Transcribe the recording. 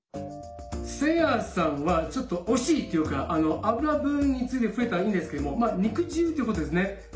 せいやさんはちょっと惜しいというか油分について触れたのはいいんですけども肉汁っていうことですね。